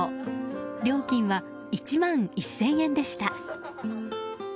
料金は１万１０００円でした。